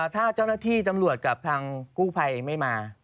ถ้าเจ้าหน้าที่ตำรวจกับทางกู้ภัยไม่มา